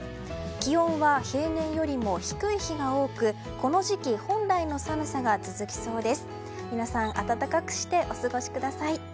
気温は平年よりも低い日が多くこの時期本来の寒さが続きそうです。